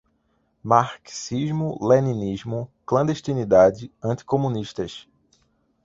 Marxismo-leninismo, clandestinidade, anti-comunistas